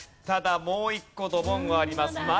ただもう１個ドボンはあります。